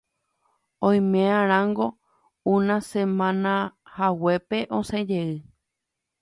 Oimeʼarãngo una semanahaguépe osẽjey.